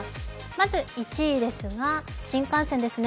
まず１位ですが、新幹線ですね。